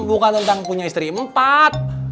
bukan tentang punya istri empat